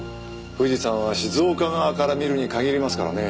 富士山は静岡側から見るに限りますからね。